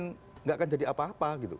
yang nggak akan jadi apa apa